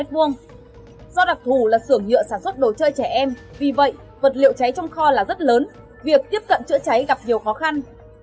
do đặc thù là xưởng nhựa sản xuất đồ chơi trẻ em vì vậy vật liệu cháy trong kho là rất lớn việc tiếp cận chữa cháy gặp nhiều khó khăn